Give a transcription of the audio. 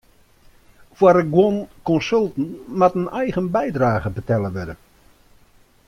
Foar guon konsulten moat in eigen bydrage betelle wurde.